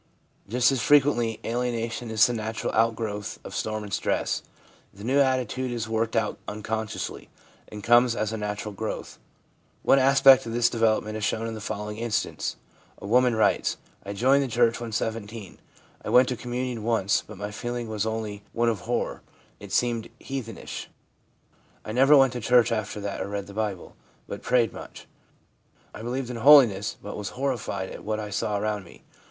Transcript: Just as frequently alienation is the natural out growth of storm and stress ; the new attitude is worked out unconsciously, and comes as a natural growth. One aspect of this development is shown in the follow ing instance : A woman writes, ' I joined the church when 17. I went to Communion once, but my feeling was only one of horror ; it seemed heathenish. I never went to church after that or read the Bible, but prayed much. I believed in holiness, but was horrified at what I saw around me.